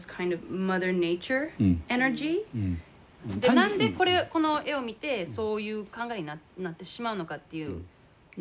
なんでこの絵を見てそういう考えになってしまうのかっていうのをすごく。